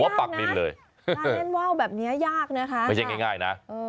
หัวกว่าปลักนิดเลยยากทั้งหลังแบบเนี้ยยากนะคะไม่ใช่ง่ายยง่ายน่ะ